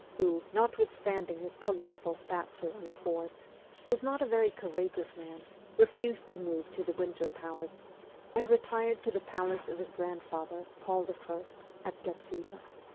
who, notwithstanding his colossal stature and force, was not a very courageous man, refused to move to the Winter Palace, and retired to the palace of his grandfather, Paul I., at Gatchina.